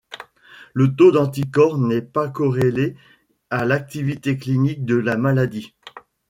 Le taux d’anticorps n'est pas corrélé à l’activité clinique de la maladie.